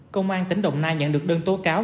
công an tỉnh đồng nai nhận được đơn tố cáo